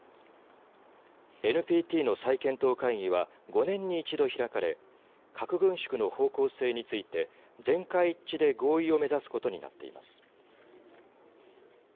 ＮＰＴの再検討会議は５年に一度開かれ核軍縮の方向性について全会一致で合意を目指すことになっています。